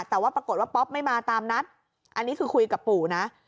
แต่ว่าปรากฏว่าป๊อปไม่มาตามนัดอันนี้คือคุยกับปู่นะ